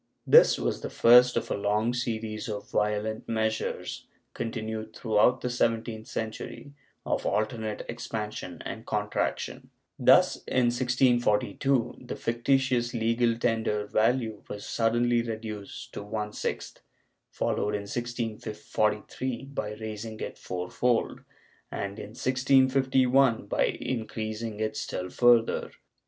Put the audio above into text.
This was the first of a long series of violent measures continued throughout the seventeenth century, of alternate expansion and contraction. Thus, in 1642 the fictitious legal tender value was suddenly reduced to one sixth, followed in 1643 by raising it fourfold, and in 1651 by increasing it still further.